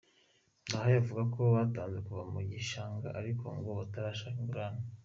Ndahayo avuga ko batanze kuva mu gishanga ariko ngo barashaka ingurane.